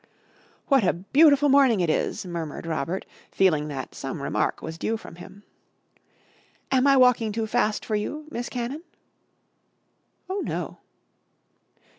"What a beautiful morning it is!" murmured Robert, feeling that some remark was due from him. "Am I walking too fast for you Miss Cannon?" "Oh, no."